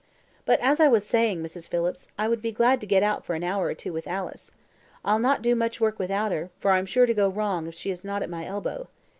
But as I was saying, Mrs. Phillips, I would be glad to get out for an hour or two with Alice. I'll not do much work without her, for I'm sure to go wrong if she is not at my elbow.